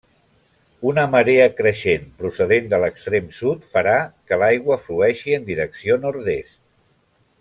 Una marea creixent procedent de l'extrem sud farà que l'aigua flueixi en direcció nord-est.